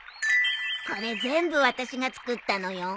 これ全部私が作ったのよ。